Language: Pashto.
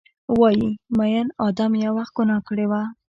وایې ، میین ادم یو وخت ګناه کړي وه